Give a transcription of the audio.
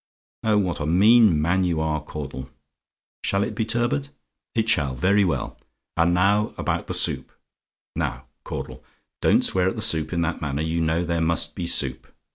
Oh, what a mean man you are, Caudle! Shall it be turbot? "IT SHALL? "Very well. And now about the soup now, Caudle, don't swear at the soup in that manner; you know there must be soup.